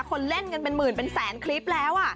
คนเล่นกันเป็นหมื่นเป็นแสนคลิปแล้ว